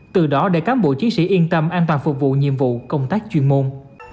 từ đó để cán bộ chiến sĩ yên tâm an toàn phục vụ nhiệm vụ công tác chuyên môn